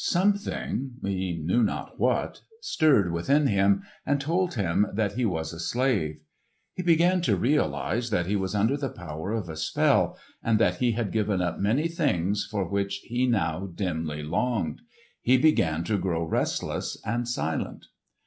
Something, he knew not what, stirred within him and told him that he was a slave. He began to realise that he was under the power of a spell and that he had given up many things for which he now dimly longed. He began to grow restless and silent.